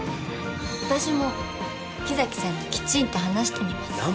私も木崎さんにきちんと話してみます。